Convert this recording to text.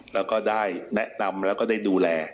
แล้วก็ได้แนะนำแล้วก็ได้ดูแล